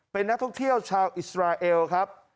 เป็นนักท่องเที่ยวชาวอิสราเอลครับ